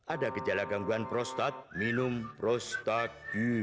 ada gejala gangguan prostat minum prostat